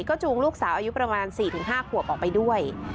ก็จูงลูกสาวอายุประมาณ๔๕ขวบออกไปด้วย